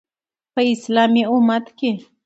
په اسلامي امت کې